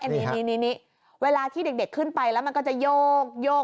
อันนี้เวลาที่เด็กขึ้นไปแล้วมันก็จะโยก